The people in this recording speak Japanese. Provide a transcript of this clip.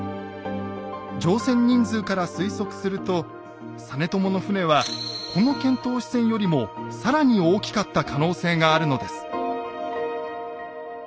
乗船人数から推測すると実朝の船はこの遣唐使船よりもさらに大きかった可能性があるのです。